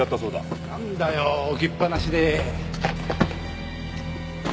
なんだよ置きっぱなしで。